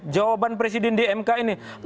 jawaban presiden dmk ini